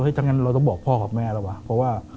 เฮ้ยจังงั้นเราต้องบอกพ่อของแม่แล้ววะ